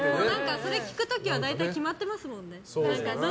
それ聞く時は大体決まってますもんね。